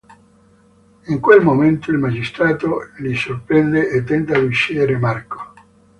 In quel momento il magistrato li sorprende e tenta di uccidere Marco.